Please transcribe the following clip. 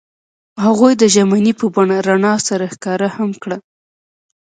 هغوی د ژمنې په بڼه رڼا سره ښکاره هم کړه.